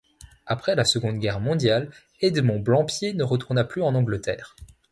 Après la Seconde Guerre mondiale, Edmont Blampied ne retourna plus en Angleterre.